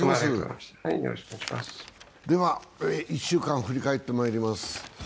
１週間を振り返ってまいります。